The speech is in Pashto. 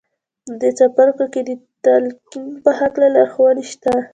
په دې څپرکو کې د تلقین په هکله لارښوونې شته